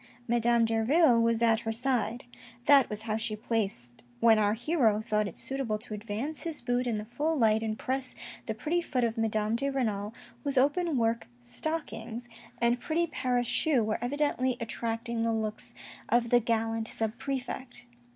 Madame Derville was at her side; that was how she was placed when our hero thought it suitable to advance his boot in the full light and press the pretty foot of Madame de Renal, whose open work stockings, THE ENGLISH SCISSORS 87 and pretty Paris shoe were evidently attracting the looks of the gallant sub prefect.